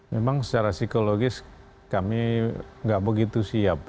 memang secara psikologis kami tidak begitu siap